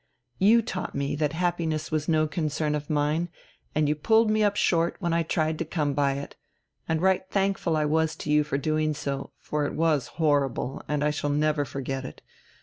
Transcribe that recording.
You taught me that happiness was no concern of mine, and you pulled me up short when I tried to come by it; and right thankful I was to you for doing so, for it was horrible, and I shall never forget it.